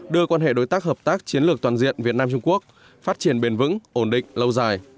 đưa quan hệ đối tác hợp tác chiến lược toàn diện việt nam trung quốc phát triển bền vững ổn định lâu dài